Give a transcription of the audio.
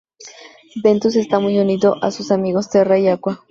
Ventus está muy unido a sus amigos Terra y Aqua.